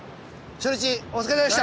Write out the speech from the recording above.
初日お疲れさまでした。